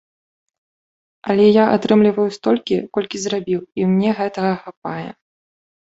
Але я атрымліваю столькі, колькі зрабіў, і мне гэтага хапае.